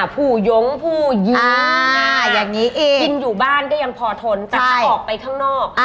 ผู้ยงผู้ยื้ออย่างนี้กินอยู่บ้านก็ยังพอทนแต่ถ้าออกไปข้างนอก